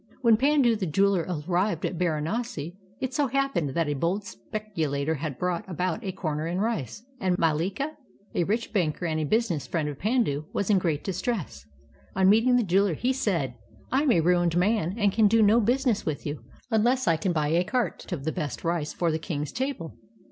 WTien Pandu the jeweler arrived at Baranasi, it so happened that a bold speculator had brought about a comer in rice, and ^Mallika. a rich banker and a business friend of Pandu, was in great distress. On meeting the jeweler he said: ''I am a ruined man and can do no busi ness with you unless I can buy a cart of the best rice for the king's table.